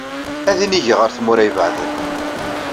Ad inigeɣ ɣer tmura ibeɛden.